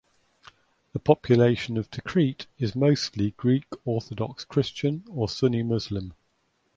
The population of Tikrit is mostly Greek Orthodox Christian or Sunni Muslim.